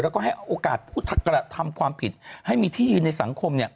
แล้วก็ให้โอกาสผู้กระทำความผิดให้มีที่ยืนในสังคม